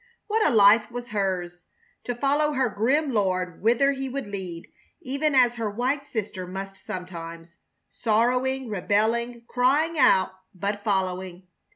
What a life was hers to follow her grim lord whither he would lead, even as her white sister must sometimes, sorrowing, rebelling, crying out, but following!